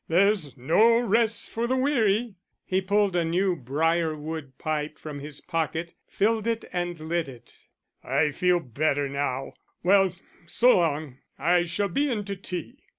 There's no rest for the weary." He pulled a new briar wood pipe from his pocket, filled and lit it. "I feel better now.... Well, so long; I shall be in to tea."